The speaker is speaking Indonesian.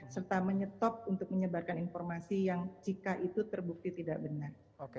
serta menyetop untuk menyebarkan informasi yang jika itu terbukti tidak benar